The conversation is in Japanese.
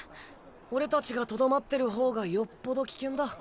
俺たちがとどまってる方がよっぽど危険だ。